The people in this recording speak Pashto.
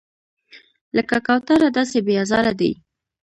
لکه کوتره داسې بې آزاره دی.